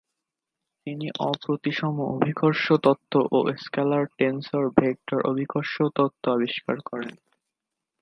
তিনি অপ্রতিসম অভিকর্ষ তত্ত্ব ও স্কেলার-টেন্সর-ভেক্টর অভিকর্ষ তত্ত্ব আবিষ্কার করেন।